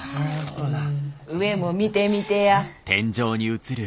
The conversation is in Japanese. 上も見てみてや。